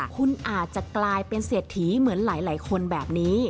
คุณอาจจะกลายเป็นเศรษฐีเหมือนหลายคนแบบนี้